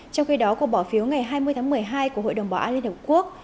trong khi đó cuộc bỏ phiếu ngày hai mươi tháng một mươi hai của hội đồng bảo an liên hợp quốc